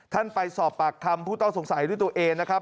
ไปสอบปากคำผู้ต้องสงสัยด้วยตัวเองนะครับ